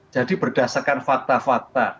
jadi berdasarkan fakta fakta